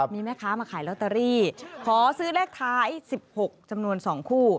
มีแม่ค้ามาขายลอตเตอรี่ขอซื้อเลขท้าย๑๖จำนวน๒คู่